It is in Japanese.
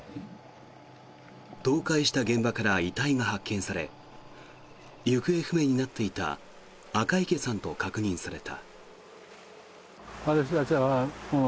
倒壊した現場から遺体が発見され行方不明になっていた赤池さんと確認された。